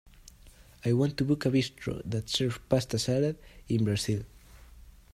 I want to book a bistro that serves pasta salad in Brazil.